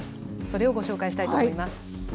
それをご紹介したいと思います。